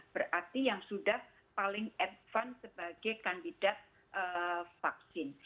berarti yang sudah paling advance sebagai kandidat vaksin